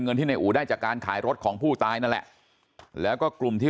เงินที่ในอู๋ได้จากการขายรถของผู้ตายแล้วแล้วก็กลุ่มที่